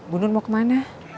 bunur mau kemana